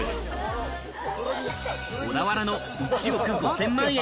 小田原の１億５０００万円